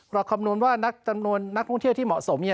เราคำนวนว่านักท่องเที่ยวที่เหมาะสม